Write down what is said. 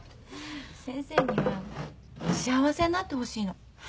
先生には幸せになってほしいの。